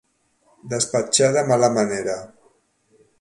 Despatxar de mala manera.